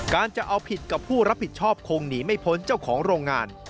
การจะเอาผิดกับผู้รับผิดชอบคงหนีไม่พ้นเจ้าของโรงงาน